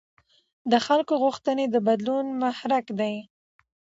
د خلکو غوښتنې د بدلون محرک دي